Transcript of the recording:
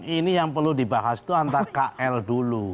ini yang perlu dibahas itu antara kl dulu